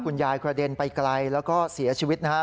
กระเด็นไปไกลแล้วก็เสียชีวิตนะฮะ